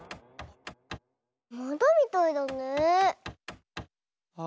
まだみたいだね。あっ！